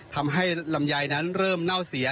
ทำให้ลำไยนั้นเริ่มเน่าเสีย